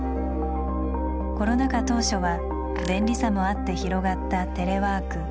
コロナ禍当初は便利さもあって広がったテレワーク。